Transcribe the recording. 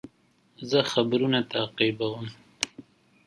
زه خبرونه تعقیبوم.